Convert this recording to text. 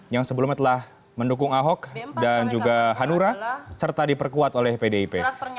yang sebelumnya telah mendukung ahok dan juga hanura serta diperkuat oleh pdip